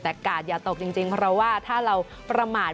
แต่กาดอย่าตกจริงเพราะว่าถ้าเราประมาท